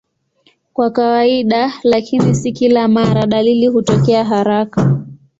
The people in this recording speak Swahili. Kwa kawaida, lakini si kila mara, dalili hutokea haraka.